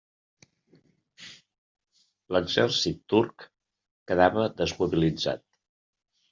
L'exèrcit turc quedava desmobilitzat.